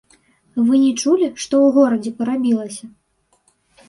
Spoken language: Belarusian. Вы не чулі, што ў горадзе парабілася?